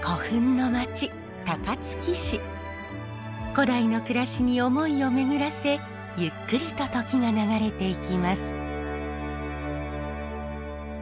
古代の暮らしに思いをめぐらせゆっくりと時が流れていきます。